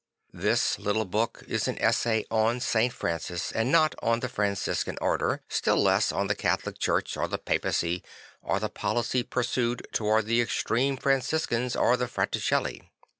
This little book is an essay on St. Francis and not on the Franciscan Order, still less on the Catholic Church or the Papacy or the policy pursued towards the extreme Franciscans or the Fraticelli.